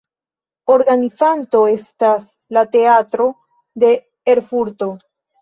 Organizanto estas la Teatro de Erfurto.